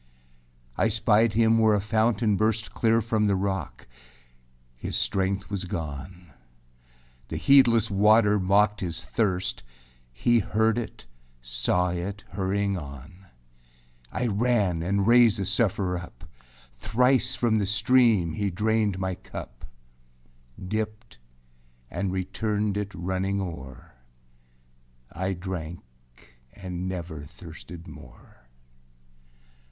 3. I spied him where a fountain burst Clear from the rock; his strength was gone. The heedless water mocked his thirst; He heard it, saw it hurrying on. I ran and raised the suffârer up; Thrice from the stream he drained my cup, Dipped and returned it running oâer; I drank and never thirsted more.